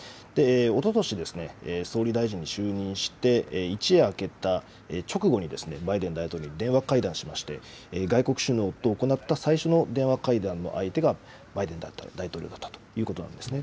おととし総理大臣に就任して、一夜明けた直後にバイデン大統領と電話会談しまして、外国首脳と行った最初の電話会談の相手がバイデン大統領だったということなんですね。